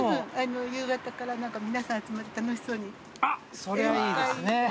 あっそりゃいいですね。